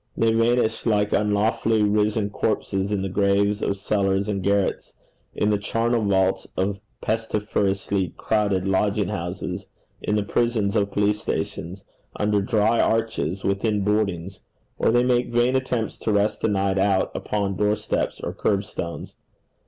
They vanish like unlawfully risen corpses in the graves of cellars and garrets, in the charnel vaults of pestiferously crowded lodging houses, in the prisons of police stations, under dry arches, within hoardings; or they make vain attempts to rest the night out upon door steps or curbstones.